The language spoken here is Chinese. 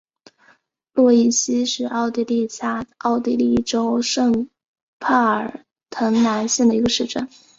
洛伊希是奥地利下奥地利州圣帕尔滕兰县的一个市镇。